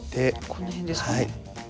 この辺ですか。